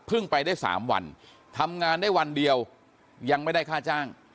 ไปได้๓วันทำงานได้วันเดียวยังไม่ได้ค่าจ้าง